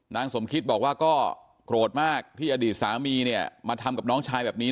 นางสมคิตบอกว่าก็โกรธมากที่อดีตสามีเนี่ยมาทำกับน้องชายแบบนี้